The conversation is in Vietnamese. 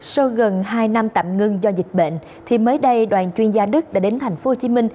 sau gần hai năm tạm ngừng do dịch bệnh thì mới đây đoàn chuyên gia đức đã đến tp hcm